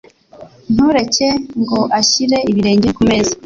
Ntureke ngo ashyire ibirenge kumeza.